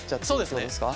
そうですね。